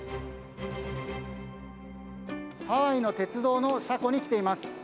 ハワイの鉄道の車両に来ています。